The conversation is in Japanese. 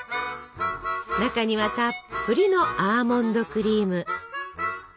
中にはたっぷりのアーモンドクリーム。